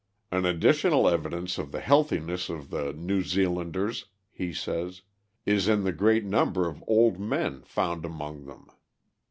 "'An additional evidence of the healthiness of the New Zealanders,' he says, 'is in the great number of old men found among them.